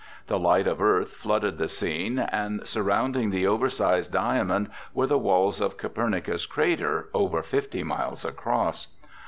The light of Earth flooded the scene, and surrounding the oversized diamond were the walls of Copernicus crater, over fifty miles across.